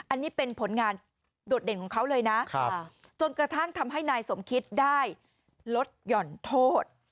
อันนี้เป็นผลงานโดดเด่นของเขาเลยนะจนกระทั่งทำให้นายสมคิดได้ลดหย่อนโทษ